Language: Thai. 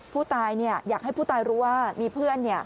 ผู้ตายอยากให้ผู้ตายรู้ว่ามีเพื่อน